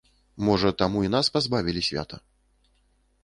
Можа, таму і нас пазбавілі свята?